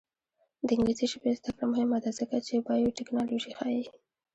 د انګلیسي ژبې زده کړه مهمه ده ځکه چې بایوټیکنالوژي ښيي.